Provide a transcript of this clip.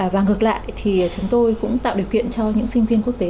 và ngược lại thì chúng tôi cũng tạo điều kiện cho những sinh viên quốc tế